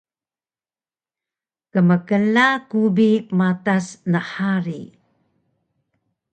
Kmkla ku bi matas nhari